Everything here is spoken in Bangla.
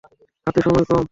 হাতে সময় কম।